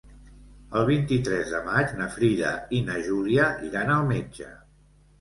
El vint-i-tres de maig na Frida i na Júlia iran al metge.